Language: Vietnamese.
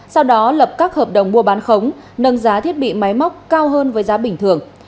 sau đó lập các hợp đồng mua bán khống nâng giá thiết bị máy móc cao hơn với giá bình thường